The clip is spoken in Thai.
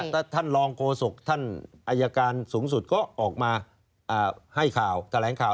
ท่านรองโฆษกท่านอายการสูงสุดก็ออกมาให้ข่าวแถลงข่าว